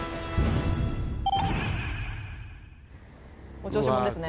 お調子もんですね。